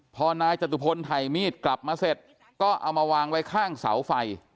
พอนายจตุพลถ่ายมีดกลับมาเสร็จก็เอามาวางไว้ข้างเสาไฟ